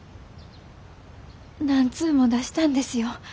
何通も出したんですよ。